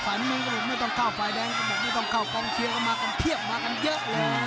ฝ่ายนี้ไม่ต้องเข้าฝ่ายแดงไม่ต้องเข้ากองเชียร์เข้ามาเพียบมากันเยอะเลย